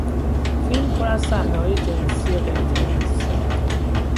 فیلم پر از صحنههای جنسی غیرطبیعی است.